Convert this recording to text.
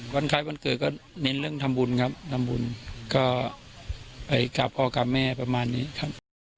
คล้ายวันเกิดก็เน้นเรื่องทำบุญครับทำบุญก็ไปกราบพ่อกับแม่ประมาณนี้ครับ